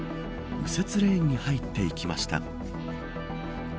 右折レーンに入っていきました。